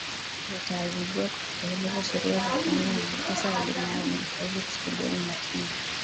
wataadhibiwa kwa kutekeleza sheria za rwanda za makosa ya jinai wanaostahili kusaidiwa ni yatima